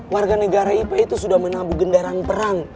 warga negara ip itu sudah menabuh gendaran perang